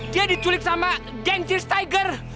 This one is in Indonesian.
dia diculik sama gang cheers tiger